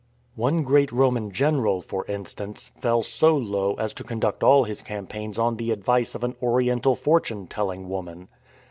One great Roman general, for instance, fell so low as to conduct all his campaigns on the advice of an Oriental fortune telling woman.